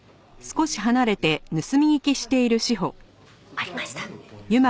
ありました。